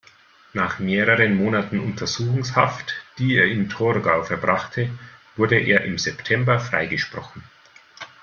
Nach mehreren Monaten Untersuchungshaft, die er in Torgau verbrachte, wurde er im September freigesprochen.